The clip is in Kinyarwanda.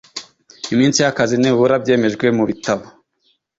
iminsi y’akazi nibura byemejwe mu bitabo